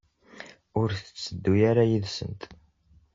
Ur tetteddu ara yid-sent?